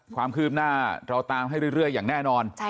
ความคืบหน้าเราตามให้เรื่อยอย่างแน่นอน